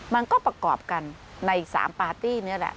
มันก็ประกอบกันในสามปาร์ตี้นี่แหละ